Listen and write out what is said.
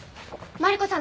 マリコさん